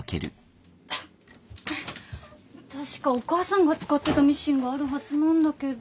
確かお母さんが使ってたミシンがあるはずなんだけど。